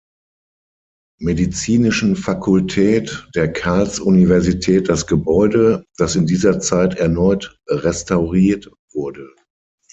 Medizinischen Fakultät der Karls-Universität das Gebäude, das in dieser Zeit erneut restauriert wurde.